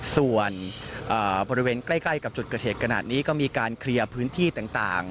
ส่วนบริเวณใกล้กับจุดเกิดเหตุขนาดนี้ก็มีการเคลียร์พื้นที่ต่าง